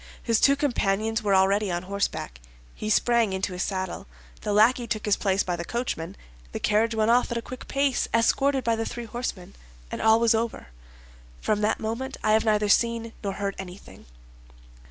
His two companions were already on horseback. He sprang into his saddle; the lackey took his place by the coachman; the carriage went off at a quick pace, escorted by the three horsemen, and all was over. From that moment I have neither seen nor heard anything."